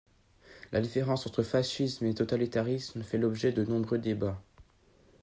La différence entre fascisme et totalitarisme fait l'objet de nombreux débats.